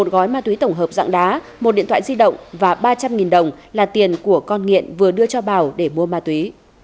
một gói ma túy tổng hợp dạng đá một điện thoại di động và ba trăm linh đồng là tiền của con nghiện vừa đưa cho bảo để mua ma túy